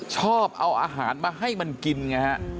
ชอบเอาอาหารมาให้มันกินไงฮะ